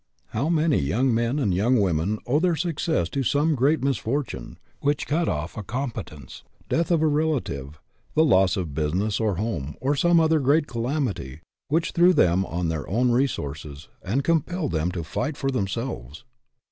How many young men and young women owe their success to some great misfortune, which cut off a competence the death of a relative, the loss of business or home, or some other great calamity, which threw them on their own resources and compelled them to fight for themselves